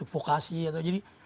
vokasi atau jadi